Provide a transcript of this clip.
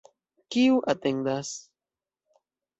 Kiu atendas?